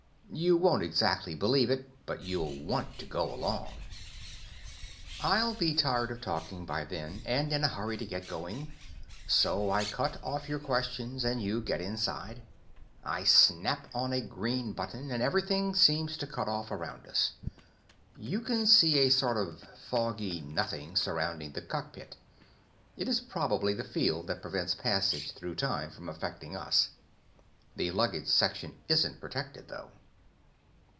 You won't exactly believe it, but you'll want to go along. I'll be tired of talking by then, and in a hurry to get going. So I cut off your questions, and get you inside. I snap on a green button, and everything seems to cut off around us. You can see a sort of foggy nothing surrounding the cockpit; it is probably the field that prevents passage through time from affecting us. The luggage section isn't protected, though.